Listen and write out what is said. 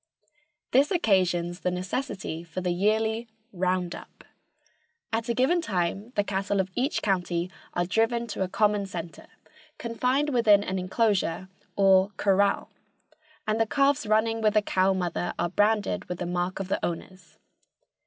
This occasions the necessity for the yearly "round up." At a given time the cattle of each county are driven to a common center, confined within an inclosure or "corral," and the calves running with the cow mother are branded with the mark of the owners.